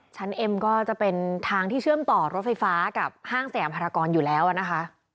เอ็มก็จะเป็นทางที่เชื่อมต่อรถไฟฟ้ากับห้างสยามภารกรอยู่แล้วนะคะ